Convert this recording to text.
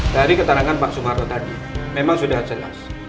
dari keterangan pak sumarno tadi memang sudah jelas